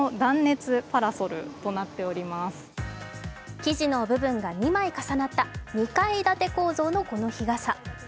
生地の部分が２枚重なった二階建て構造のこの日傘。